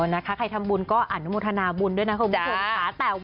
นะคะใครทำบุญก็อนุโมทนาบุญด้วยนะคุณผู้ชมค่ะ